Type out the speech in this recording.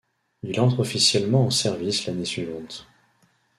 Il entre officiellement en service l'année suivante.